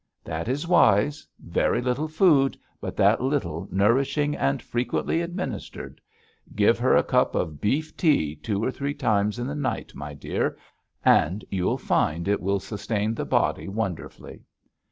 'That is wise; very little food, but that little nourishing and frequently administered. Give her a cup of beef tea two or three times in the night, my dear, and you'll find it will sustain the body wonderfully.'